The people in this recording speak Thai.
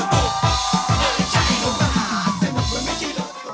โปรดติดตามตอนต่อไป